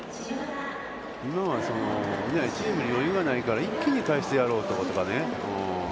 今は、チームに余裕がないから一気に返してやろうとかね。